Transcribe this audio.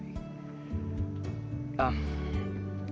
dan aku juga berharap